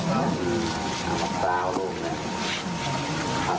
สวัสดีครับทุกคน